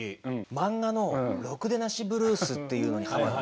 漫画の「ろくでなしＢＬＵＥＳ」っていうのにハマって。